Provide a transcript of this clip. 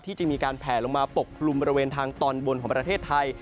จะมีการแผลลงมาปกกลุ่มบริเวณทางตอนบนของประเทศไทย